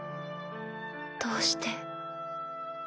どうして。